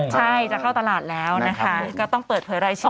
ใช่จะเข้าตลาดแล้วนะคะก็ต้องเปิดเผยรายชื่อ